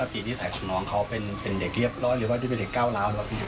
แล้วปกติดีสัยของน้องเค้าเป็นเด็กเรียบร้อยหรือว่าเป็นเด็กเก้าร้าวหรือเปล่าพี่